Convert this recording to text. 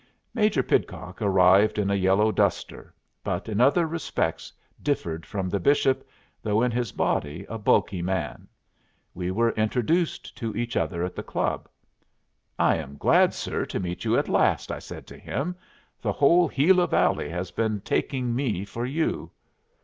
Major Pidcock arrived in a yellow duster, but in other respects differed from the Bishop, though in his body a bulky man. We were introduced to each other at the club. "I am glad, sir, to meet you at last," I said to him. "The whole Gila Valley has been taking me for you."